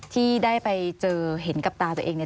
ที่ได้ไปเจอเห็นกับตาตัวเองเนี่ย